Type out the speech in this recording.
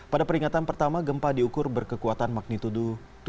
pada peringatan pertama gempa diukur berkekuatan magnitudu tujuh tiga